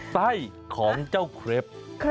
ไส้ของเจ้าเครป